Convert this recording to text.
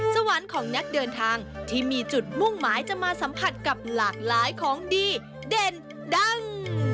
สวรรค์ของนักเดินทางที่มีจุดมุ่งหมายจะมาสัมผัสกับหลากหลายของดีเด่นดัง